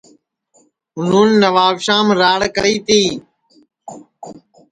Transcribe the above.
اُنون نوابشام راڑ کری تی